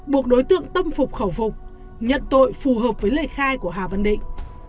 buộc đối tượng tâm phục khẩu phục nhận tội phù hợp với lời khai của hà văn định